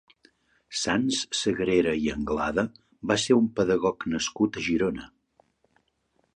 Sants Sagrera i Anglada va ser un pedagog nascut a Girona.